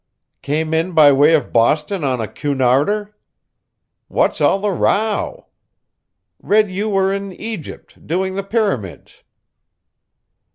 Came in by way of Boston on a Cunarder? What's all the row? Read you were in Egypt, doing the pyramids.